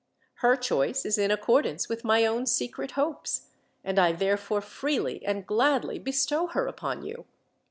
Her choice is in accordance with my own secret hopes, and I therefore, freely and gladly, bestow her upon you.